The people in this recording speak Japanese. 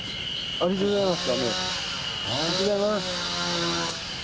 ありがとうございます。